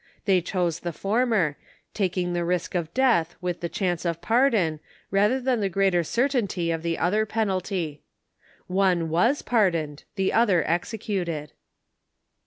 They chose the former, taking the risk of death with the chance of pardon, rather than the greater certainty of the other penalty. One'was pardoned, the other executed.